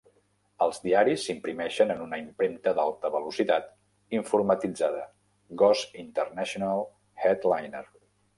Els diaris s'imprimeixen en una impremta d'alta velocitat informatitzada Goss International Headliner.